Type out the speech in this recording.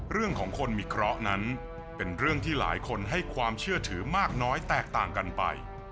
เรื่องของคนมีเคราะห์นั้นเป็นเรื่องที่หลายคนให้ความเชื่อถือมากน้อยแตกต่างกันไป